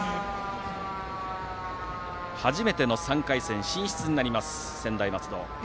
初めての３回戦進出になります